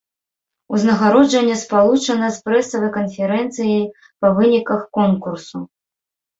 Узнагароджанне спалучана з прэсавай канферэнцыяй па выніках конкурсу.